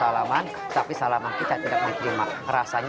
alhamdulillah sudah ter sony